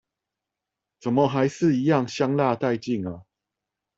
怎麼還是一樣香辣帶勁啊！